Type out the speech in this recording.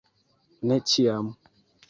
Ne ĉiam.